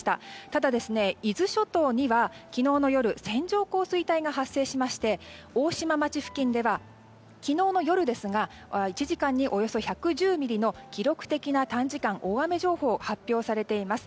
ただ、伊豆諸島には昨日の夜線状降水帯が発生しまして、大島町付近では昨日の夜ですが１時間におよそ１１０ミリの記録的短時間大雨情報が発表されています。